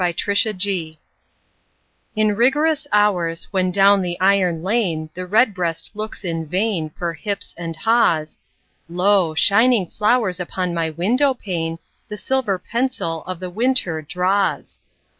XVII—WINTER In rigorous hours, when down the iron lane The redbreast looks in vain For hips and haws, Lo, shining flowers upon my window pane The silver pencil of the winter draws.